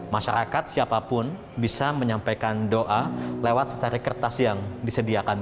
masyarakat siapapun bisa menyampaikan doa lewat secari kertas yang disediakan